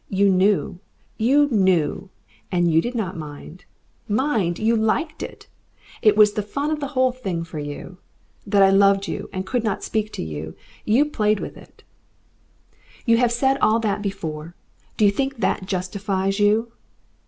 You knew. You KNEW. And you did not mind. MIND! You liked it. It was the fun of the whole thing for you. That I loved you, and could not speak to you. You played with it " "You have said all that before. Do you think that justifies you?"